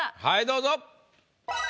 はいどうぞ。